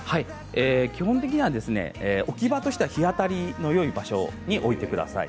基本的には置き場としては日当たりのよい場所に置いてください。